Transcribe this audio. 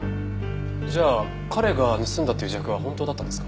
じゃあ彼が盗んだっていう自白は本当だったんですか？